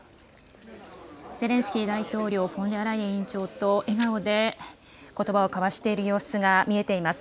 ゼレンスキー大統領、フォンデアライエン委員長と、笑顔でことばを交わしている様子が見えています。